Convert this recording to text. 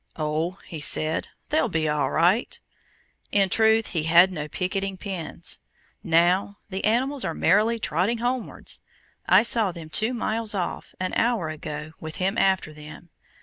"Oh," he said "they'll be all right." In truth he had no picketing pins. Now, the animals are merrily trotting homewards. I saw them two miles off an hour ago with him after them.